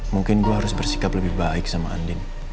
mungkin gue harus bersikap lebih baik sama andin